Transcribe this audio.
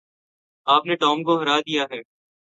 آپ نے ٹام کو ہرا دیا ہے۔